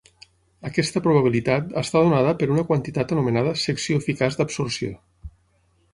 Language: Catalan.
Aquesta probabilitat està donada per una quantitat anomenada secció eficaç d'absorció.